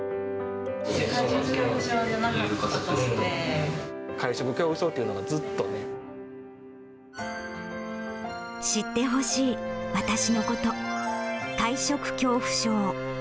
会食恐怖症じゃなかったとし会食恐怖症っていうのがずっ知ってほしい私のこと。